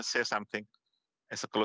saya ingin berbicara